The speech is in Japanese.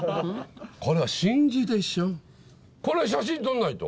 これは真珠でしょ。